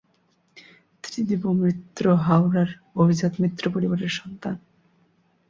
ত্রিদিব মিত্র হাওড়ার অভিজাত মিত্র পরিবারের সন্তান।